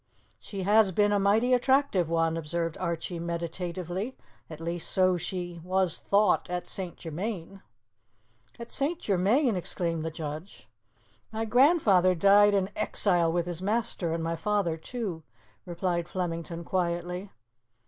"She has been a mighty attractive one," observed Archie meditatively; "at least, so she was thought at St. Germain." "At St. Germain?" exclaimed the judge. "My grandfather died in exile with his master, and my father too," replied Flemington quietly.